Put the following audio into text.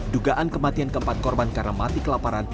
dugaan kematian keempat korban karena mati kelaparan